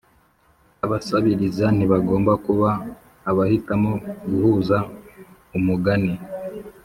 abasabiriza ntibagomba kuba abahitamo guhuza umugani